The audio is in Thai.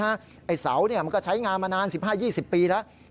ไอ้เสามันก็ใช้งานมานาน๑๕๒๐ปีแล้ว